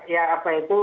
ya apa itu